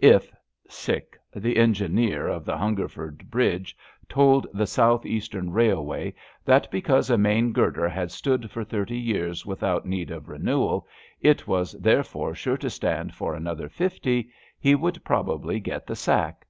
If the Engineer of the Hunger ford Bridge told the Southeastern Eailway that because a main girder had stood for thirty years without need LETTERS ON LEAVE 215 of renewal it was therefore sure to stand for another fifty, he would probably get the sack.